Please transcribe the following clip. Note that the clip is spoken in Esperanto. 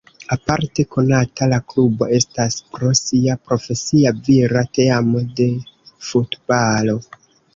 Aparte konata la klubo estas pro sia profesia vira teamo de futbalo.